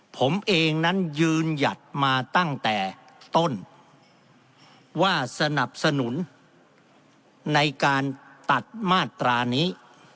ผมเองนั้นยืนหยัดมาตั้งแต่ต้นว่าสนับสนุนในการตัดมาตรานี้